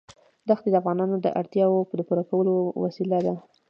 دښتې د افغانانو د اړتیاوو د پوره کولو وسیله ده.